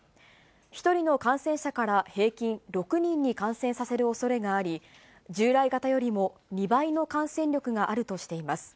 １人の感染者から平均６人に感染させるおそれがあり、従来型よりも２倍の感染力があるとしています。